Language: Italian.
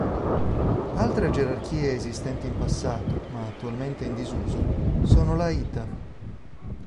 Altre gerarchie esistenti in passato, ma attualmente in disuso, sono la ita.